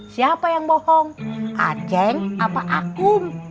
siapa yang bohong aceng apa aku